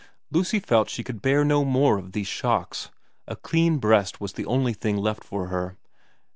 Lucy felt she could bear no more of these shocks. A clean breast was the only thing left for her.